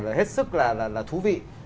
rất hết sức là thú vị